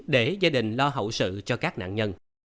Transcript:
để gia đình lo hậu sự cho các nạn nhân